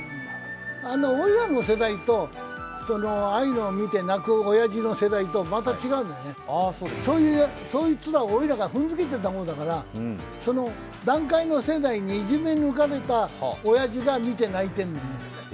おいらの世代とああいうのを見て泣くおやじの世代とまた違うんだよね、そいつら、おいらが踏んづけてた方だから団塊の世代にいじめ抜かれたおやじが見て泣いてんのよ。